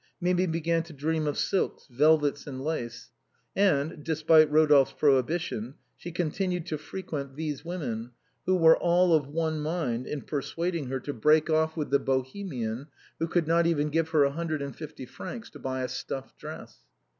Mirai began to dream of silks, velvets, and lace. And, despite Eodolphe's prohibition, she continued to frequent these women, who were all of one mind in persuading her to break off with the Bohemian who could not even give her a hundred and fify francs to buy a stuff dress.